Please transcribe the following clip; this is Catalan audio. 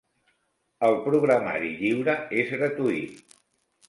El programari lliure és gratuït.